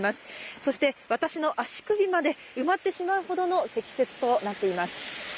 そして私の足首まで埋まってしまうほどの積雪となっています。